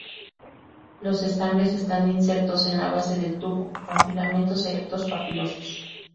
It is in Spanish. Los estambres están insertos en la base del tubo, con filamentos erectos, papilosos.